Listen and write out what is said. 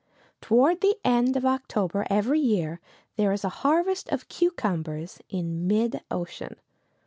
Toward the end of October of every year there is a harvest of cucumbers in mid ocean.